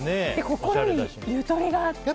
心にゆとりがあって。